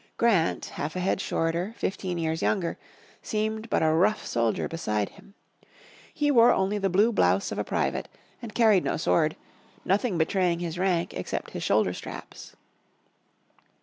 Grant, half a head shorter, fifteen years younger, seemed but a rough soldier beside him. He wore only the blue blouse of a private, and carried no sword, nothing betraying his rank except his shoulder straps.